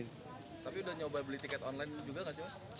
tapi udah nyoba beli tiket online juga gak sih mas